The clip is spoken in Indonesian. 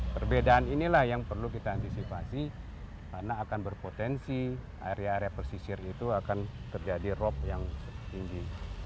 perbedaan inilah yang perlu kita antisipasi karena akan berpotensi area area pesisir itu akan terjadi rop yang tinggi